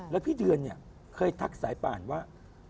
แล้วพี่เดือนเนี่ยเคยทักสายป่านว่า